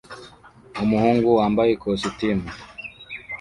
Umuhungu wambaye ikositimu